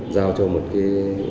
giao cho một cái